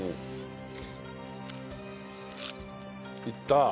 いった。